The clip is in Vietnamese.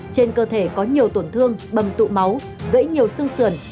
trên cơ thể có nhiều tổn thương bầm tụ máu gãy nhiều xương sườn